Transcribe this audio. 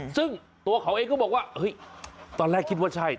ซึ่งตัวเขาเองก็บอกว่าเฮ้ยตอนแรกคิดว่าใช่